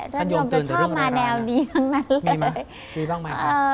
ท่านยมจะชอบมาแนวนี้ทั้งนั้นเลยมีบ้างไหม